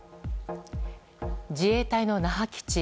自衛隊の那覇基地。